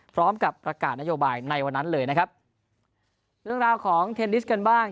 พร้อมกับประกาศนโยบายในวันนั้นเลยนะครับเรื่องราวของเทนนิสกันบ้าง